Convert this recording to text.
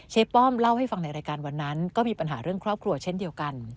ป้อมเล่าให้ฟังในรายการวันนั้นก็มีปัญหาเรื่องครอบครัวเช่นเดียวกัน